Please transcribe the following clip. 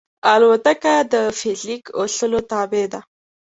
الوتکه د فزیک اصولو تابع ده.